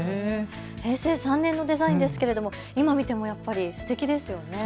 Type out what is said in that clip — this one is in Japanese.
平成３年のデザインですけど今見てもすてきですよね。